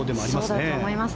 そうだと思います。